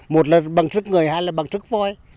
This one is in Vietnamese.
một lần bằng sức người hai lần bằng sức vôi